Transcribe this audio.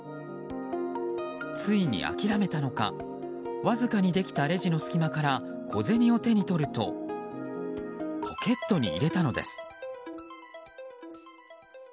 ついに諦めたのかわずかにできたレジの隙間から小銭を手に取るとポケットに入れたのです。